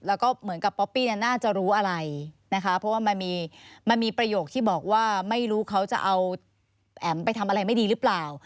แล้วก็เหมือนกับป๊อปปี้เนี่ยน่าจะรู้อะไรนะคะเพราะว่ามันมีประโยคที่บอกว่าไม่รู้เขาจะเอาไปทำอะไรไม่ดีหรือเปล่า